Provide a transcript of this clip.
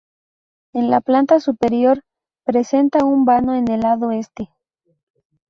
En la planta superior presenta un vano en el lado este.